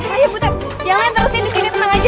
ayo buta yang lain terusin di sini tenang aja